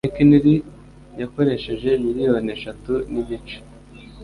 McKinley yakoresheje miliyoni eshatu nigice.